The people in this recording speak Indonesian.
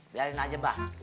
biarin aja bang